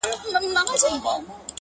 خاموش صبر لوی بدلون زېږوي.